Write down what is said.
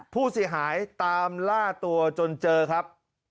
ผู้เสียหายตามล่าตัวจนเจอครับ